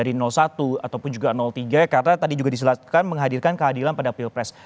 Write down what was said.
dari satu ataupun juga tiga karena tadi juga diselatkan menghadirkan keadilan pada pilpres